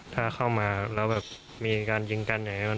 ถ้าเข้ามาแล้วแบบมีการยิงกันอย่างนี้